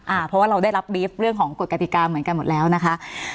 เพราะว่าเราได้รับรีฟเรื่องของกฎกติกาเหมือนกันหมดแล้วนะคะ